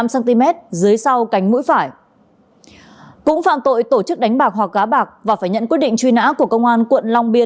xin chào và hẹn gặp lại